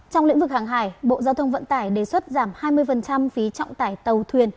trong lĩnh vực hàng hải bộ giao thông vận tải đề xuất giảm hai mươi phí trọng tải tàu thuyền